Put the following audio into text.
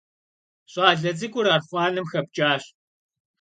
Ş'ale ts'ık'ur arxhuanem xepç'aş.